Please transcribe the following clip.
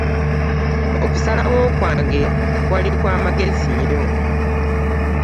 Okusalawo kwange kwali kwa magezi nnyo.